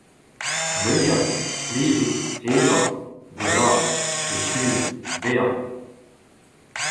neuial, plijout, evañ, gwellaat, echuiñ, bezañ